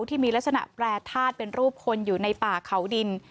ที่มีลักษณะแปรทาสเป็นรูปคนอยู่ในป่าเขาดิน